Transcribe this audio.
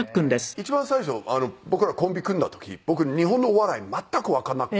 一番最初僕らコンビ組んだ時僕日本のお笑い全くわかんなくて。